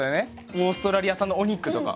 オーストラリア産のお肉とか。